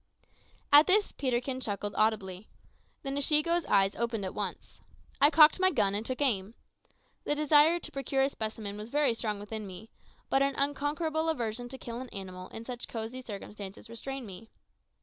At this Peterkin chuckled audibly. The Nshiego's eyes opened at once. I cocked my gun and took aim. The desire to procure a specimen was very strong within me, but an unconquerable aversion to kill an animal in such cozy circumstances restrained me.